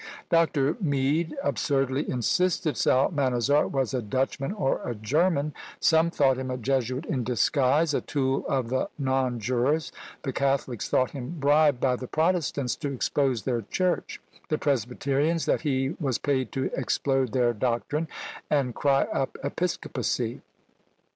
_ Dr. Mead absurdly insisted Psalmanazar was a Dutchman or a German; some thought him a Jesuit in disguise, a tool of the non jurors; the Catholics thought him bribed by the Protestants to expose their church; the Presbyterians that he was paid to explode their doctrine, and cry up episcopacy!